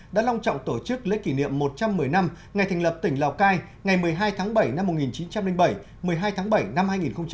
đã long trọng tổ chức lễ kỷ niệm một trăm một mươi năm ngày thành lập tỉnh lào cai ngày một mươi hai tháng bảy năm một nghìn chín trăm linh bảy một mươi hai tháng bảy năm hai nghìn hai mươi